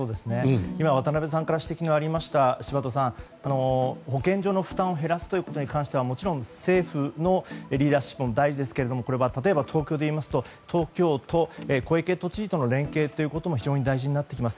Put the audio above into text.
今、渡辺さんから指摘がありました柴戸さん、保健所の負担を減らすということに関してはもちろん政府のリーダーシップも大事ですが東京で言いますと東京都、小池知事との連携ということも非常に大事になってきます。